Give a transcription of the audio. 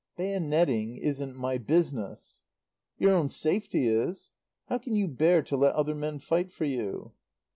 "Bayonetting isn't my business." "Your own safety is. How can you bear to let other men fight for you?"